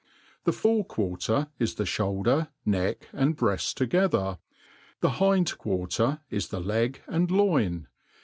Thefore quarter is the fhoulder, neck, and .breaft. together. Th^ hind quarter is /the leg and loin.